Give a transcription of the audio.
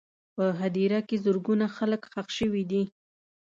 په هدیره کې زرګونه خلک ښخ شوي دي.